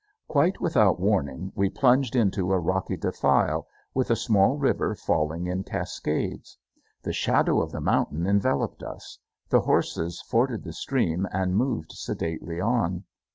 Quite without warning we plunged into a rocky defile, with a small river falling in cascades. The shadow of the mountain enveloped us. The horses forded the stream and moved sedately on.